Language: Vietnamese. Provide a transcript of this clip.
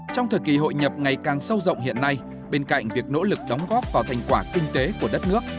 trong thời kỳ hội nhập ngày càng sâu rộng hiện nay bên cạnh việc nỗ lực đóng góp vào thành quả kinh tế của đất nước